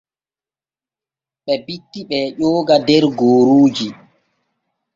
Ɓe bitti ɓee ƴooga der gooruuji.